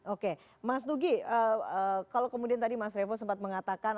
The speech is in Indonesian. oke mas nugi kalau kemudian tadi mas revo sempat mengatakan